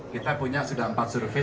kita punya sudah empat survei